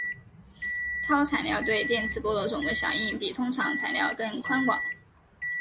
超材料对电磁波的总的响应比通常材料更宽广。